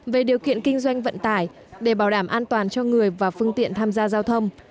về điều kiện kinh doanh vận tải để bảo đảm an toàn cho người và phương tiện tham gia giao thông